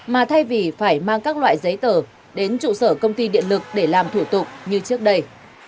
mà thay vì phải mang các loại giấy tờ đến trụ sở công ty điện lực để làm thủ tục như trước đây